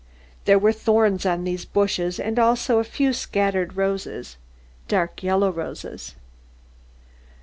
There were thorns on these bushes and also a few scattered roses, dark yellow roses.